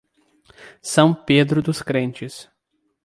São Pedro dos Crentes